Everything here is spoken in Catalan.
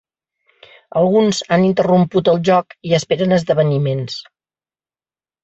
Alguns han interromput el joc i esperen esdeveniments.